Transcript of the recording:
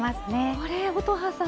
これ乙葉さん